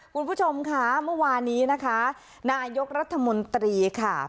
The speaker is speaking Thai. คุณผู้ชมค่ะเมื่อวานี้นะคะนายกรัฐมนตรีค่ะ